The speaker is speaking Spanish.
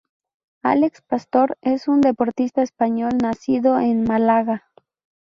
Alex Pastor es un deportista español nacido en Málaga.